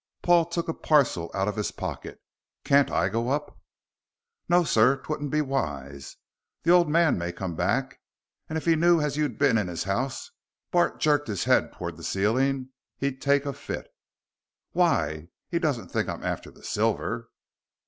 Paul took a parcel out of his pocket. "Can't I go up?" "No, sir. 'Twouldn't be wise. The old man may come back, and if he knew as you'd been in his house," Bart jerked his head towards the ceiling, "he'd take a fit." "Why? He doesn't think I'm after the silver?"